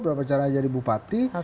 bagaimana caranya jadi bupati